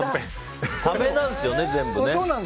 サメなんですよね、全部。